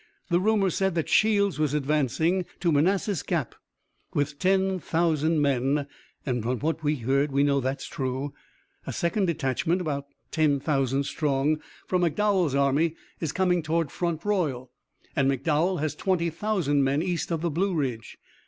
The rumors said that Shields was advancing to Manassas Gap with ten thousand men, and from what we heard we know that is true. A second detachment, also ten thousand strong, from McDowell's army is coming toward Front Royal, and McDowell has twenty thousand men east of the Blue Ridge.